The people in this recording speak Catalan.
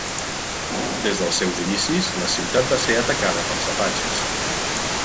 Des dels seus inicis, la ciutat va ser atacada pels Apatxes.